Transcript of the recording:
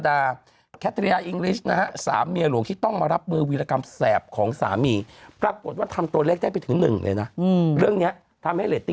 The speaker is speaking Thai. แคทริยาอิงลิชนะฮะสามเมียหลวงที่ต้องมารับมือวีรกรรมแสบของสามีปรากฏว่าทำตัวเลขได้ไปถึงหนึ่งเลยนะเรื่องเนี้ยทำให้เรตติ้